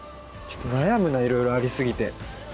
ちょっと悩むないろいろあり過ぎて。